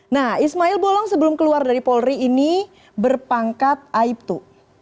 nah ismail bolong sebelum keluar dari polri ini berpangkat aibtu